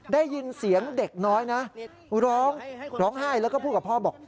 ได้ยินเสียงเด็กน้อยนะร้องร้องไห้แล้วก็พูดกับพ่อบอก